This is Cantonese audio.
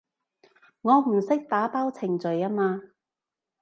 我唔識打包程序吖嘛